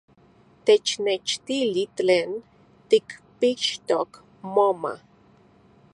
¡Technechtili tlen tikpixtok moma!